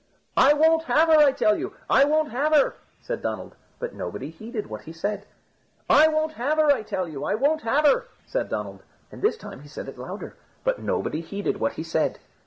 "I won't have her, I tell you; I won't have her!" said Donald. But nobody heeded what he said. "I won't have her, I tell you; I won't have her!" said Donald, and this time he said it louder; but nobody heeded what he said.